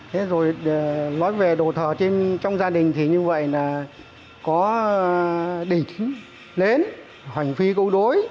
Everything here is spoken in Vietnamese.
thế rồi nói về đồ thở trong gia đình thì như vậy là có đỉnh lớn hoành phi câu đối